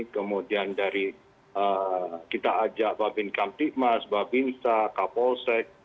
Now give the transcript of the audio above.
kemudian dari kita ajak bapin kamtikmas bapin saka polsek